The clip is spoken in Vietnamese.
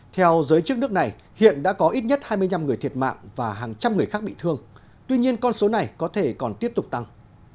theo giới chức nước này hiện đã có ít nhất hai mươi năm người thiệt mạng và hàng trăm người khác bị thương tuy nhiên con số này có thể còn tiếp tục tăng